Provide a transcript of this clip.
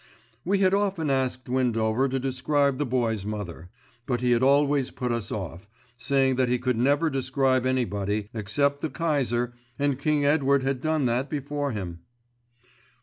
We had often asked Windover to describe the Boy's mother; but he had always put us off, saying that he could never describe anybody, except the Kaiser, and King Edward had done that before him.